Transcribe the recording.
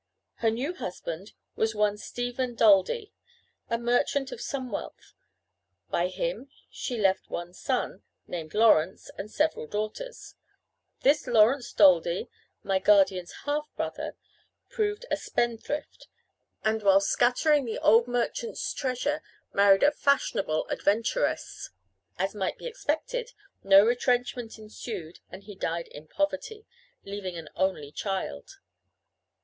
Her new husband was one Stephen Daldy, a merchant of some wealth. By him she left one son, named Lawrence, and several daughters. This Lawrence Daldy, my guardian's half brother, proved a spendthrift, and, while scattering the old merchant's treasure married a fashionable adventuress. As might be expected, no retrenchment ensued, and he died in poverty, leaving an only child.